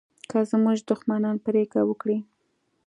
که زموږ دښمنان پرېکړه وکړي